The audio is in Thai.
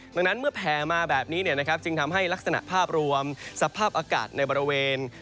ดังนั้นเมื่อแผ่มาแบบนี้จึงทำให้ลักษณะภาพรวมสภาพอากาศในบริเวณ